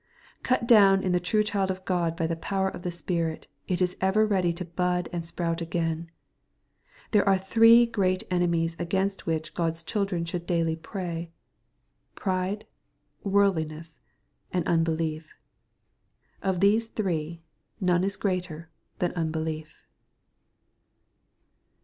Cut down in the true child of God by the power of the Spirit, it is ever ready to bud and sprout again, There are three great enemies against which God^s children should daily pray, — ^pride, worldliness, and unbelief. Of these three, none is greater than unbelief.